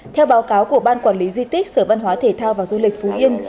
theo báo cáo của ban quản lý di tích sở văn hóa thể thao và du lịch phú yên